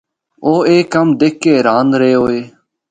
اُو اے کمّ دکھ کے حیران رہ ہوئے۔